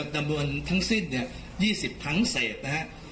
ดำเนินทั้งสิ้นเนี้ยยี่สิบครั้งเศษนะฮะ